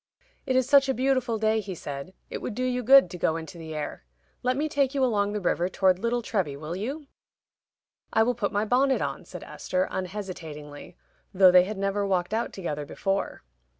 "It is such a beautiful day," he said, "it would do you good to go into the air. Let me take you along the river toward Little Treby, will you?" "I will put my bonnet on," said Esther, unhesitatingly, though they had never walked out together before.